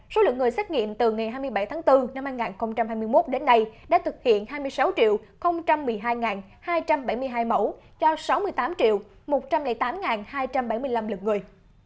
số lượng người xét nghiệm từ ngày hai mươi bảy tháng bốn năm hai nghìn hai mươi một đến nay đã thực hiện hai mươi sáu một mươi hai hai trăm bảy mươi hai mẫu cho sáu mươi tám một trăm linh tám hai trăm bảy mươi năm lượt người